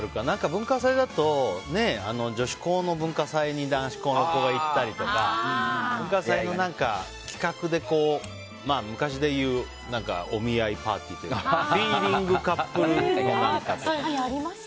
文化祭だと女子高の文化祭に男子校の子が行ったりとか文化祭の企画で、昔で言うお見合いパーティーというかフィーリングカップルみたいな。